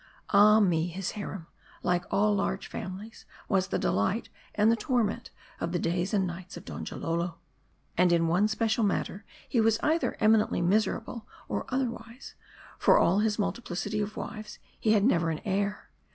Ah me ! his harem, like all large families, was the delight and the torment of the days and nights of Donjalolo. And in one special matter was he either eminently mis erable, or otherwise : for all his multiplicity of wives, he had never an heir.